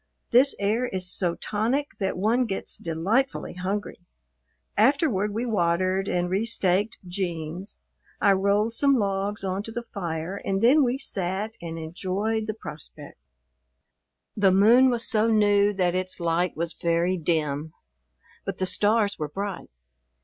This air is so tonic that one gets delightfully hungry. Afterward we watered and restaked "Jeems," I rolled some logs on to the fire, and then we sat and enjoyed the prospect. The moon was so new that its light was very dim, but the stars were bright.